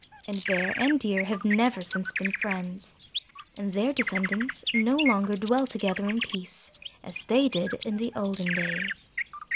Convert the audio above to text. And Bear and Deer have never since been friends, and their descendants no longer dwell together in peace, as they did in the olden days.